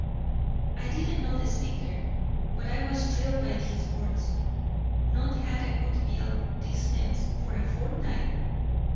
I didn't know the speaker, but I was thrilled by his words. Not had a good meal, these men, for a fortnight!